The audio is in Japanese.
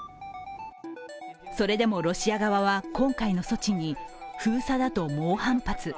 それでもロシア側は今回の措置に封鎖だと猛反発。